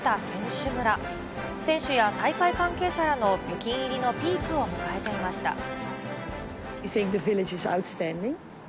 せんしゅや大会関係者らの北京入りのピークを迎えていました。